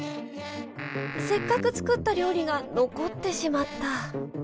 せっかく作った料理が残ってしまった。